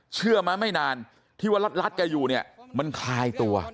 เชื่อไหมไม่นานที่ว่ารัดแกอยู่เนี่ยมันคลายตัว